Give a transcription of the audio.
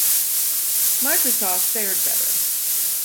Microsoft fared better.